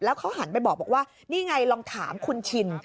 เขาหันไปบอกว่านี่ไงลองถามคุณชิน